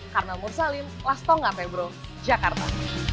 karnel mursalin lastongga februari jakarta